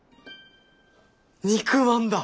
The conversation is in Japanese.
肉まんだ。